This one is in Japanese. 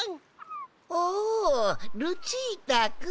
おルチータくん。